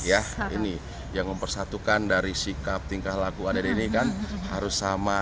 ya ini yang mempersatukan dari sikap tingkah laku adat ini kan harus sama